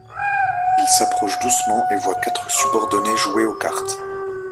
Il s’approche doucement et voit quatre subordonnés jouer aux cartes.